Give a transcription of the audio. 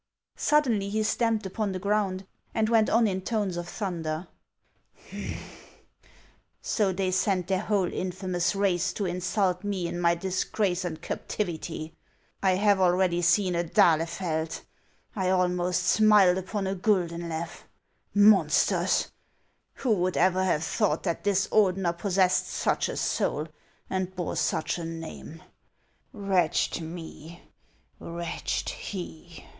Suddenly he stamped upon the ground, and went on in tones of thunder :" So they send their whole infamous race to insult me in my disgrace and captivity ! I have already seen a d'Ahlefeld ; I almost smiled upon a Gul denlew ! Monsters ! Who would ever have thought that this Ordener possessed such a soul and bore such a name ? Wretched me! Wretched he!"